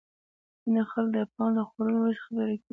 ځینې خلک د پان له خوړلو وروسته خبرې کوي.